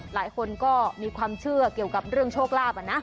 หลายคนก็มีความเชื่อเกี่ยวกับเรื่องโชคลาภนะ